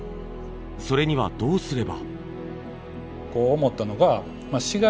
それにはどうすれば。